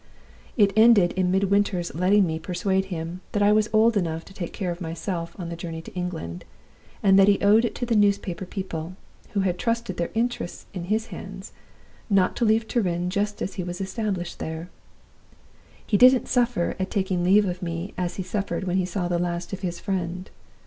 "It ended in Midwinter's letting me persuade him that I was old enough to take care of myself on the journey to England, and that he owed it to the newspaper people, who had trusted their interests in his hands, not to leave Turin just as he was established there. He didn't suffer at taking leave of me as he suffered when he saw the last of his friend.